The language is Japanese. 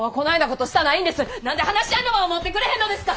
何で話し合いの場を持ってくれへんのですか！